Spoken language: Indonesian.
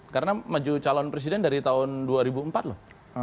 karena maju calon presiden dari tahun dua ribu empat loh